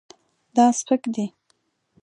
دا سپک دی